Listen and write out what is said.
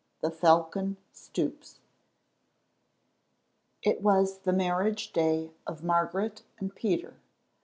THE FALCON STOOPS. It was the marriage day of Margaret and Peter.